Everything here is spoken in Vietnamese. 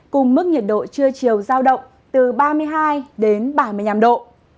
cùng mức nhiệt độ trưa chiều giao động từ ba mươi hai đến ba mươi năm độ